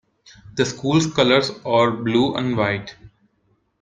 The school's colors are blue and white.